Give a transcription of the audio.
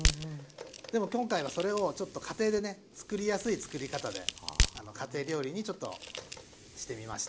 でも今回はそれをちょっと家庭でねつくりやすいつくり方で家庭料理にちょっとしてみました。